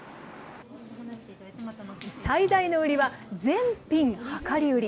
最大の売りは、全品量り売り。